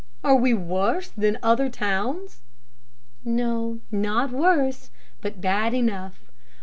"Are we worse than other towns?" "No; not worse, but bad enough.